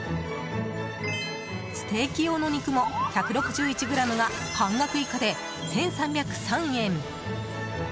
ステーキ用の肉も１６１ｇが半額以下で１３０３円。